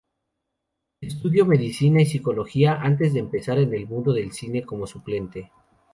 Estudio Medicina y Psicología antes de empezar en el mundo del cine como suplente.